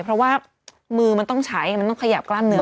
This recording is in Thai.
เพราะว่ามือมันต้องใช้มันต้องขยับกล้ามเนื้อ